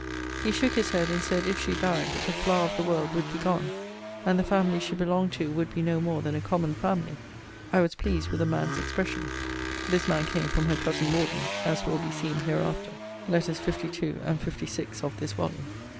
He shook his head, and said if she died, the flower of the world would be gone, and the family she belonged to would be no more than a common family.* I was pleased with the man's expression. * This man came from her cousin Morden; as will be seen hereafter, Letters LII. and LVI. of this volume.